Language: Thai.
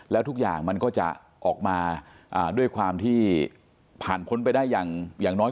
แล้วทุกอย่างมันก็จะออกมาด้วยความที่ผ่านพ้นไปได้อย่างน้อย